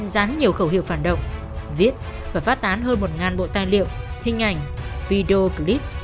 dán nhiều khẩu hiệu phản động viết và phát tán hơn một bộ tài liệu hình ảnh video clip